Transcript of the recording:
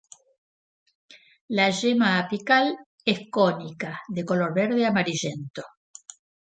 La yema apical es cónica de color verde amarillento.